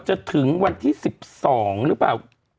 จนถึงวันที่๑๒หรือเปล่า